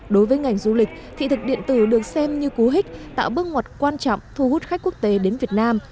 đối với ngành du lịch thị thực điện tử được xem như cú hích tạo bước ngoặt quan trọng thu hút khách quốc tế đến việt nam